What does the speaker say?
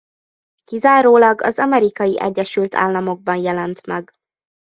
Kizárólag az Amerikai Egyesült Államokban jelent meg.